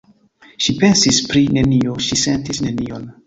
Ŝi pensis pri nenio, ŝi sentis nenion.